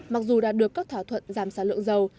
mặc dù đã được các thỏa thuận giảm sản lượng dầu